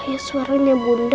kayak suaranya bunda